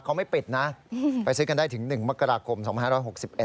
เขาไม่ปิดนะไปซื้อกันได้ถึง๑มกราคม๒๑๖๑เลย